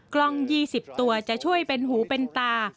กล้อง๒๐ตัวจะช่วยเป็นหูเป็นตา